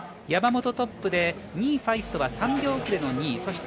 山本トップで２位ファイストは３秒遅れの２位。